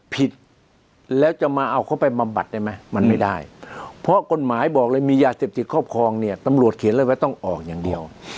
ผิดแล้วจะมาเอาเขาไปบำบัดได้ไหมมันไม่ได้เพราะกฎหมายบอกเลยมียาเสพติดครอบครองเนี่ยตำรวจเขียนเลยว่าต้องออกอย่างเดียว